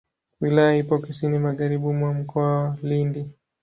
Wilaya ipo kusini magharibi mwa Mkoa wa Lindi.